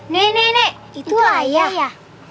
nenek itu ayah ya